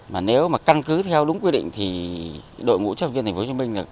mà nếu mà căn cứ theo đúng quy định thì đội ngũ chấp viên tp hcm được